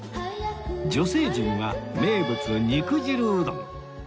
女性陣は名物肉汁うどん